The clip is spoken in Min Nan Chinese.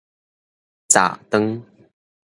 閘斷